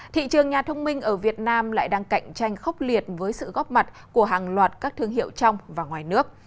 thị trường nhà thông minh ở việt nam lại đang cạnh tranh khốc liệt với sự góp mặt của hàng loạt các thương hiệu trong và ngoài nước